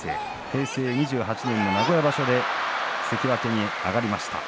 平成２８年名古屋場所で関脇に上がりました。